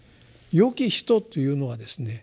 「よき人」というのはですね